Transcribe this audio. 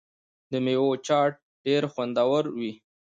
د میوو چاټ ډیر خوندور وي.